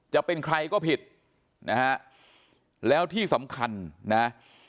จะเป็นใครก็ผิดนะฮะแล้วที่สำคัญนะ